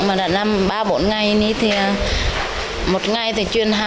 mà đã làm ba bốn ngày thì một ngày thì chuyển